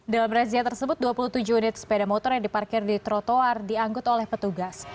dalam razia tersebut dua puluh tujuh unit sepeda motor yang diparkir di trotoar dianggut oleh petugas